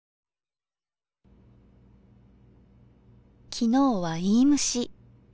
昨日はいいむし。